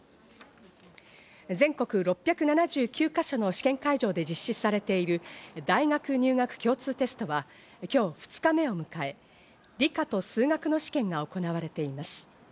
全国６７９か所の試験会場で実施されている大学入学共通テストは今日２日目を迎え、理科と数学の試験が行われています。